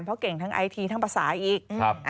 เพราะเก่งทั้งไอทีทั้งภาษาอีก